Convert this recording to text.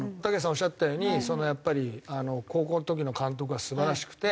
おっしゃったようにやっぱり高校の時の監督は素晴らしくて。